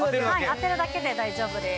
当てるだけで大丈夫です。